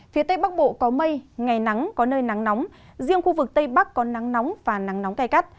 phía tây bắc bộ có mây ngày nắng có nơi nắng nóng riêng khu vực tây bắc có nắng nóng và nắng nóng gai gắt